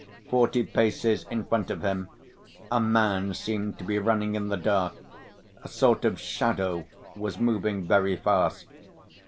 Forty paces in front of him a man seemed to be running in the dark, a sort of shadow was moving very fast.